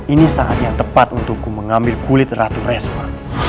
ini saat yang tepat untukku mengambil kulit ratu resma